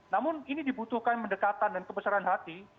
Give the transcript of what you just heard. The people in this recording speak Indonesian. namun ini dibutuhkan mendekatan dan kebesaran hati